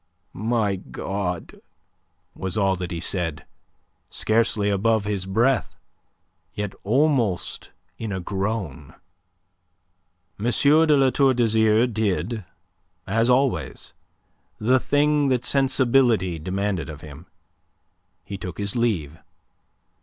"My God!" was all that he said, scarcely above his breath, yet almost in a groan. M. de La Tour d'Azyr did, as always, the thing that sensibility demanded of him. He took his leave.